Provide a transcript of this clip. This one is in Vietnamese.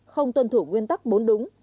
không tuân thủ nguyên tắc bốn đúng